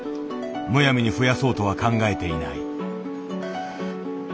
むやみに増やそうとは考えていない。